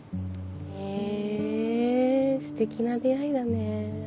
へぇステキな出合いだね。